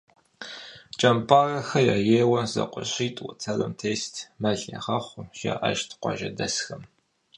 КӀэмпӀарэхэ ейуэ зэкъуэшитӀ уэтэрым тест, мэл ягъэхъуу, жаӀэж къуажэдэсхэм.